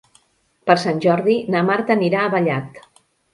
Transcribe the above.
Per Sant Jordi na Marta anirà a Vallat.